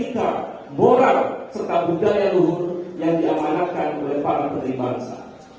untuk membuatnya lebih berbahasa dan berbahasa dengan membuatnya lebih berbahasa